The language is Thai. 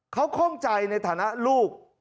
เขาข้องใจในฐานะลูก